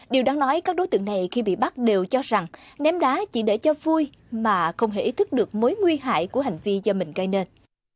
điều đáng nói các đối tượng này khi bị bắt đều cho rằng ném đá chỉ để cho vui mà không hề ý thức được mối nguy hại của hành vi do mình gây nên